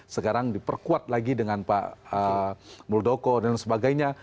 sekarang diperkuat lagi dengan pak muldoko dan sebagainya